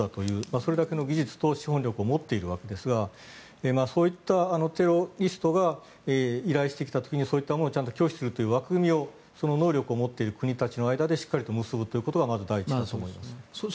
それだけの技術と資本力を持っているわけですがそういったテロリストが依頼してきた時にそういったものをちゃんと拒否するという枠組みをそういった能力を持つ国同士の間でしっかりと結ぶということがまず第一だと思います。